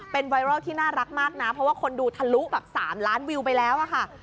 เป็นไวรัลที่น่ารักมากนะเพราะว่าคนดูทะลุแบบ๓ล้านวิวไปแล้วอะค่ะ